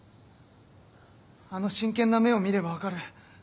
あの真剣な目を見れば分かる。